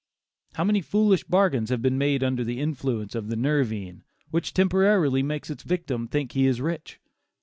How many foolish bargains have been made under the influence of the "nervine," which temporarily makes its victim think he is rich.